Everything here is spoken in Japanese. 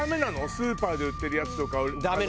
スーパーで売ってるやつとかを。